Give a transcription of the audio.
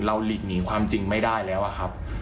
หลีกหนีความจริงไม่ได้แล้วอะครับ